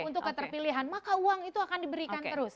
untuk keterpilihan maka uang itu akan diberikan terus